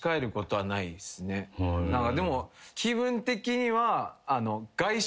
でも気分的には。